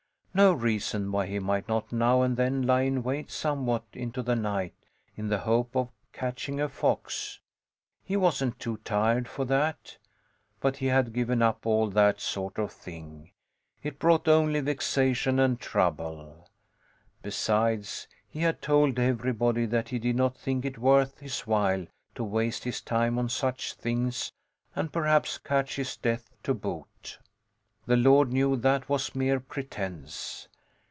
No reason why he might not now and then lie in wait somewhat into the night in the hope of catching a fox; he wasn't too tired for that. But he had given up all that sort of thing. It brought only vexation and trouble. Besides, he had told everybody that he did not think it worth his while to waste his time on such things and perhaps catch his death to boot. The Lord knew that was mere pretence.